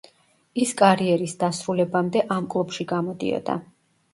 ის კარიერის დასრულებამდე ამ კლუბში გამოდიოდა.